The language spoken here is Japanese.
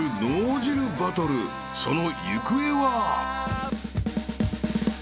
［その行方は？］